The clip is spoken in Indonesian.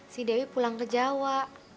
si dewi pulang ke jawa